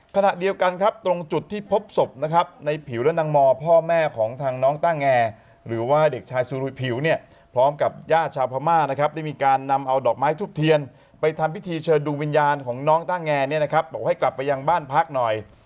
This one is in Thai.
ขณะเดียวกันครับตรงจุดที่พบศพนะครับในผิวและนางมอพ่อแม่ของทางน้องต้าแงหรือว่าเด็กชายสุรุยผิวเนี่ยพร้อมกับญาติชาวพม่านะครับได้มีการนำเอาดอกไม้ทุบเทียนไปทำพิธีเชิญดวงวิญญาณของน้องต้าแงเนี่ยนะครับบอกให้กลับไปยังบ้านพักหน่อย